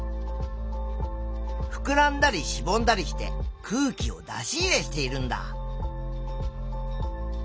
ふくらんだりしぼんだりして空気を出し入れしているんだ。